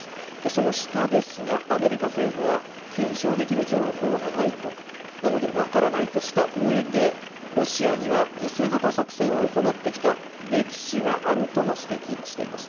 その下ですが、アメリカ政府は、検証できる情報がないと、なので分からないとしたうえで、ロシアには偽旗作戦を行ってきた歴史があるとも指摘しています。